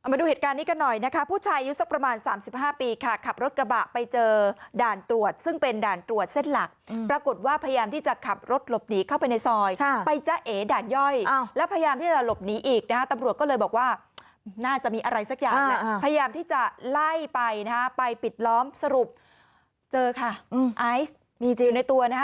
เอามาดูเหตุการณ์นี้กันหน่อยนะคะผู้ชายอายุสักประมาณสามสิบห้าปีค่ะขับรถกระบะไปเจอด่านตรวจซึ่งเป็นด่านตรวจเส้นหลักปรากฏว่าพยายามที่จะขับรถหลบหนีเข้าไปในซอยไปจ้าเอด่านย่อยแล้วพยายามที่จะหลบหนีอีกนะฮะตำรวจก็เลยบอกว่าน่าจะมีอะไรสักอย่างนะพยายามที่จะไล่ไปนะฮะไปปิดล้อมสรุปเจอค่ะไอซ์มีจิลในตัวนะฮะ